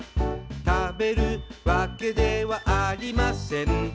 「食べるわけではありません」